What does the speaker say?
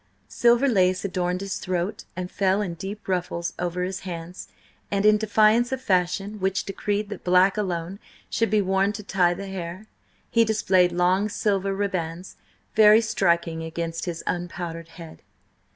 Silver lace adorned his throat and fell in deep ruffles over his hands, and in defiance of Fashion, which decreed that black alone should be worn to tie the hair, he displayed long silver ribands, very striking against his unpowdered head.